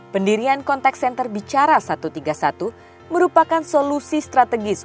pendirian kontak senter bicara satu ratus tiga puluh satu merupakan solusi strategis